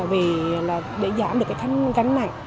vì để giảm được cái gánh này